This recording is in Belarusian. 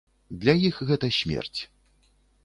Для іх гэта смерць.